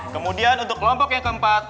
kemudian untuk kelompok yang keempat